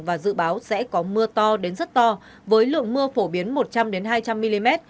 và dự báo sẽ có mưa to đến rất to với lượng mưa phổ biến một trăm linh hai trăm linh mm